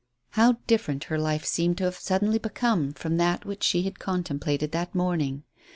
How different her life seemed to have suddenly become from that which she had contemplated that morning.